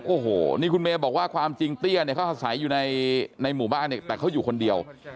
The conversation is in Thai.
โอ้โหนี่คุณเมย์บอกว่าความจริงเตี้ยเนี่ยเขาอาศัยอยู่ในหมู่บ้านเนี่ยแต่เขาอยู่คนเดียว